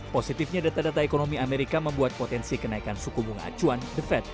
positifnya data data ekonomi amerika membuat potensi kenaikan suku bunga acuan the fed